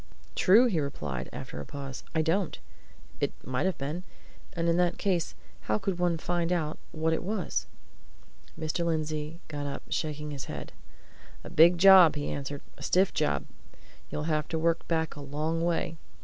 "True!" he replied, after a pause. "I don't! It might have been. And in that case how could one find out what it was?" Mr. Lindsey got up, shaking his head. "A big job!" he answered. "A stiff job! You'd have to work back a long way.